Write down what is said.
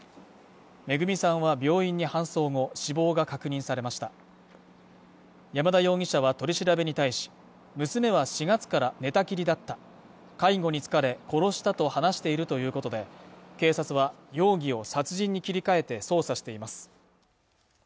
めぐみさんは病院に搬送後死亡が確認されました山田容疑者は取り調べに対し娘は４月から寝たきりだった介護に疲れ殺したと話しているということで警察は容疑を殺人に切り替えて捜査しています